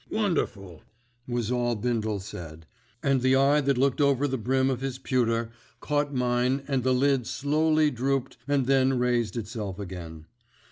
"Wonderful!" was all Bindle said, and the eye that looked over the brim of his pewter caught mine and the lid slowly drooped and then raised itself again.